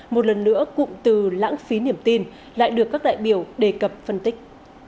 một lần nữa cụm từ lãng phí niềm tin lại được các đại biểu đề cập phân tích